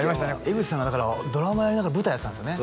江口さんがだからドラマやりながら舞台やってたんですよね